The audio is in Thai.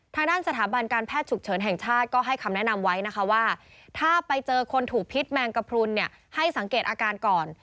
ทางด้านสถาบันการแพทย์ฉุกเฉินแห่งชาติก็ให้คำแนะนำไว้นะคะว่าถ้าไปเจอคนถูกพิษแมงกระพรุนเนี่ยให้สังเกตอาการก่อน